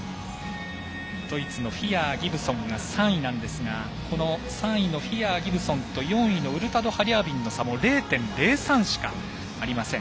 ドイツのフィアー、ギブソンが３位ですがこの３位のフィアー、ギブソンと４位のウルタド、ハリャービンの差も０．０３しかありません。